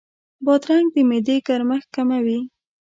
بادرنګ د معدې ګرمښت کموي.